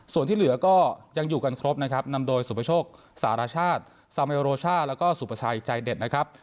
ส่วนที่เหลือก็ยังอยู่กันครบนะครับนำโดยสุประโชคสารชาติซาเมโรช่าแล้วก็สุประชัยใจเด็ดนะครับ